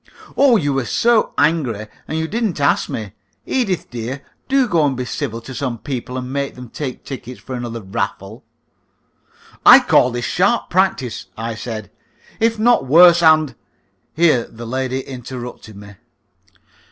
"Oh! you were so angry, and you didn't ask me. Edith, dear, do go and be civil to some people, and make them take tickets for another raffle." "I call this sharp practice," I said, "if not worse, and " Here the other lady interrupted me.